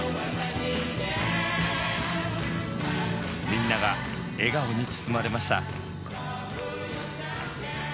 みんなが笑顔に包まれました。